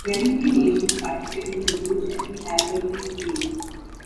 Twenty-three nations participated in Luge at the Albertville Games.